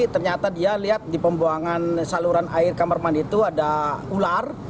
ternyata dia lihat di pembuangan saluran air kamar mandi itu ada ular